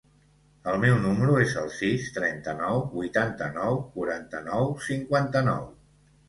El meu número es el sis, trenta-nou, vuitanta-nou, quaranta-nou, cinquanta-nou.